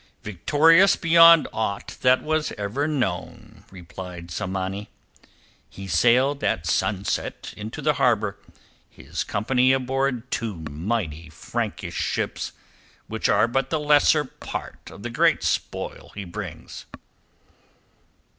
"Victorious beyond aught that was ever known," replied Tsamanni. "He sailed at sunset into the harbour, his company aboard two mighty Frankish ships, which are but the lesser part of the great spoil he brings."